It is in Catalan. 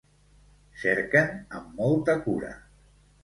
Cerquen amb molta cura.